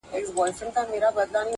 په اوبو کي خپلو پښو ته په کتلو -